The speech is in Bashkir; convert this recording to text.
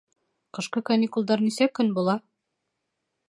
Ҡышҡы каникулдар нисә көн була?